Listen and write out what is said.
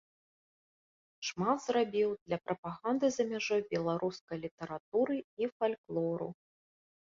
Шмат зрабіў для прапаганды за мяжой беларускай літаратуры і фальклору.